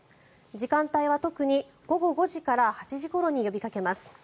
時間帯は特に午後５時から８時ごろに呼びかけます。